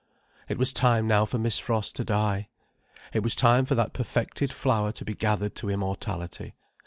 It was time now for Miss Frost to die. It was time for that perfected flower to be gathered to immortality.